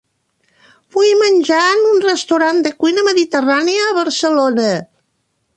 Vull menjar en un restaurant de cuina mediterrània a Barcelona.